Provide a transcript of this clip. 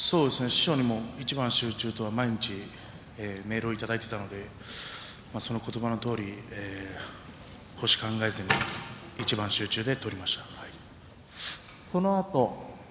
師匠からも一番集中と毎日メールをいただいていたのでその言葉のとおり星を考えずに一番集中で取りました。